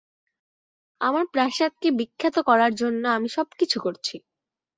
আমার প্রাসাদকে বিখ্যাত করার জন্য আমি সবকিছু করছি।